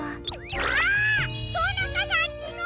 あとなかさんちの！